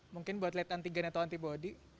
mungkin buat lihat antigen atau antibody